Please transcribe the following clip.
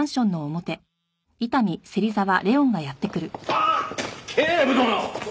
あっ警部殿！